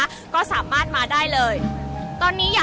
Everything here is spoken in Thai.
อาจจะออกมาใช้สิทธิ์กันแล้วก็จะอยู่ยาวถึงในข้ามคืนนี้เลยนะคะ